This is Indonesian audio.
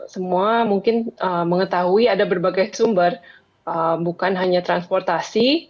semua mungkin mengetahui ada berbagai sumber bukan hanya transportasi